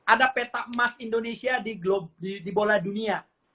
ada peta emas indonesia di bola dunia